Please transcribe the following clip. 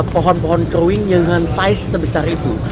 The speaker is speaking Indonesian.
pohon pohon keruing dengan ukuran sebesar itu